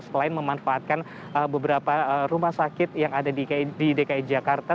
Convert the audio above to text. selain memanfaatkan beberapa rumah sakit yang ada di dki jakarta